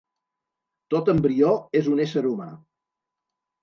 Tot embrió és un ésser humà.